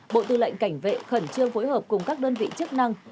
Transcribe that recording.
bộ tư lệnh cảnh vệ khẩn trương phối hợp cùng các đơn vị chức năng